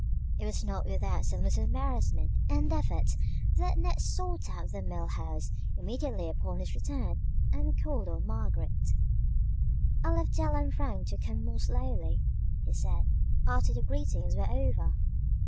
It was not without some little embarrassment and effort that Ned sought out the Mill House, immediately upon his return, and called on Margaret. "I left Della and Frank to come more slowly," he said, after the greetings were over.